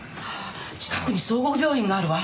近くに総合病院があるわ。